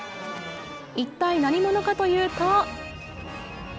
一体何者かというと。